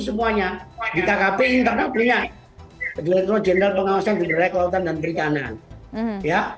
semuanya di kkp internal punya elektro general pengawasan di daerah kelautan dan perikanan ya